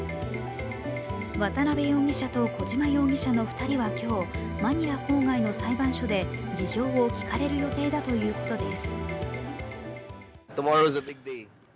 渡辺容疑者と小島容疑者の２人は今日、マニラ郊外の裁判所で事情を聴かれる予定だということです。